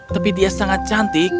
tapi dia sangat cantik